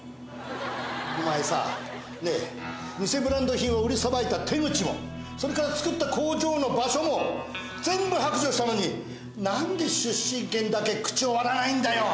お前さねぇ偽ブランド品を売りさばいた手口もそれから作った工場の場所も全部白状したのになんで出身県だけ口を割らないんだよ！